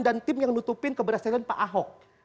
dan tim yang nutupin keberhasilan pak ahok